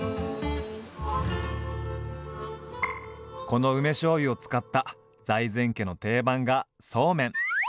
この梅しょうゆを使った財前家の定番がそうめん。